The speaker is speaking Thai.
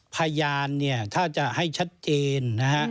พยานถ้าจะให้ชัดเจนนะฮะ